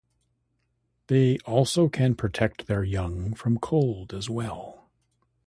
They also can protect their young from cold as well.